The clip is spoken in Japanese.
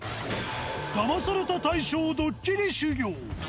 ダマされた大賞ドッキリ修行。